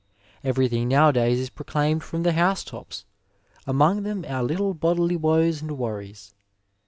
Ev^ything nowadays is proclaimed from the house tops, among them our little bodily woes and worries.